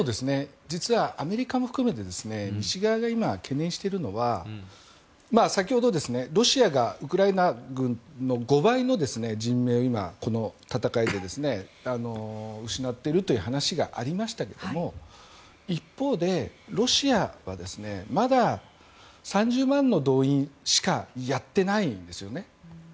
実はアメリカも含めて西側が今、懸念しているのは先ほど、ロシアがウクライナ軍の５倍の人命を今、この戦いで失っているという話がありましたが一方でロシアはまだ３０万の動員しかやっていないんですね。